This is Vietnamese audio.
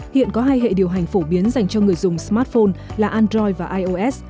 hiện có hai hệ điều hành phổ biến dành cho người dùng smartphone là android và ios